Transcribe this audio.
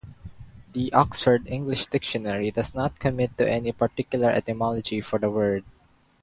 The Oxford English Dictionary does not commit to any particular etymology for the word.